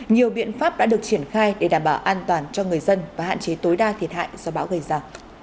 nhiều biện pháp đã được triển khai để đảm bảo an toàn cho người dân và hạn chế tối đa thiệt hại do bão gây ra